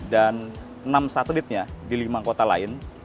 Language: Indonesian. dan enam satelitnya di lima kota lain